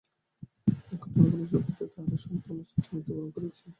এই ঘটনাগুলির সব ক্ষেত্রেই তাঁহারা সম্পূর্ণ স্বেচ্ছায় মৃত্যুবরণ করিয়াছেন।